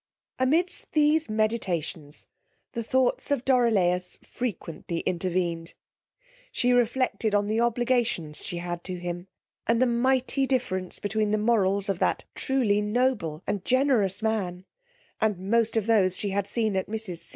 Amidst these meditations the thoughts of Dorilaus frequently intervened: she reflected on the obligations she had to him, and the mighty difference between the morals of that truly noble and generous man, and most of those she had seen at mrs.